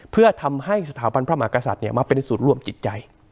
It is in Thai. เพื่อทำให้สถาบันพระมหากษัตริย์มาเป็นสูตรร่วมจิตใจ